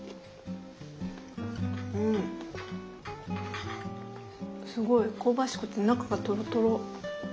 うんすごい香ばしくて中がトロトロ。